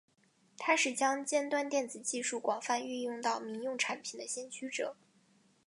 他是将尖端电子技术广泛运用到民用产品的先驱者。